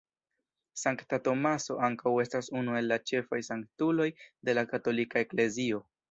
Sankta Tomaso ankaŭ estas unu el la ĉefaj sanktuloj de la Katolika Eklezio.